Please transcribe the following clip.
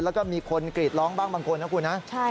แล้วก็มีคนกรีดร้องบ้างบางคนนะคุณนะ